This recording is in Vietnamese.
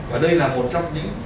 và đây là một trong những